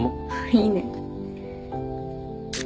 いいね。